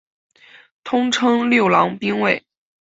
通称六郎兵卫。